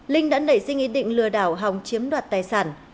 linh đã nảy suy nghĩ định lừa đảo hòng chiếm đoạt tài sản